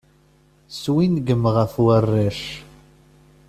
Swingem ɣef warrac.